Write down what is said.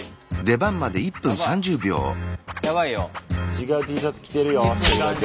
違うＴシャツ着てるよ一人だけ。